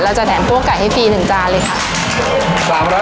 เราจะแถมพวกไก่ให้ฟรี๑จานเลยค่ะ